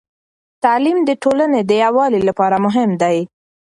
تعليم د ټولنې د يووالي لپاره مهم دی.